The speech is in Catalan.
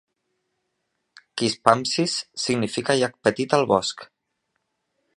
Quispamsis significa llac petit al bosc.